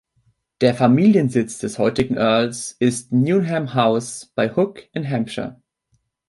Der Familiensitz des heutigen Earls ist "Newnham House" bei Hook in Hampshire.